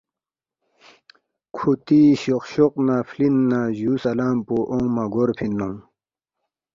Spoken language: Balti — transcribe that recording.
کھوتی شوق شوق نہ فلن نہ جو سلام پو اونگمہ گورفنگ نو